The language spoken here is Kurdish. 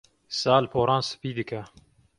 Sal poran spî dike.